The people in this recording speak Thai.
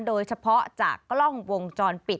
โดยเฉพาะจากกล้องวงจรปิด